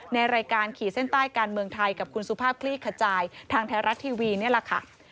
ในรายการขีดเส้นใต้การเมืองไทยกับคุณสุภาพคลี่ขจายทางไทยรัฐทีวีนี่แหละค่ะ